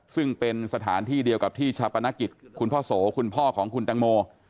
ซึ่งเป็นสถานที่เดียวกับที่ชาปนกิจคุณพ่อโสคุณพ่อของคุณตังโม